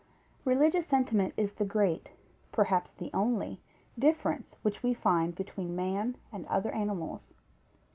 _ Religious sentiment is the great, perhaps the only difference which we find between man and other animals.